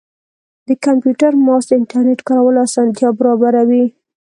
د کمپیوټر ماؤس د انټرنیټ کارولو اسانتیا برابروي.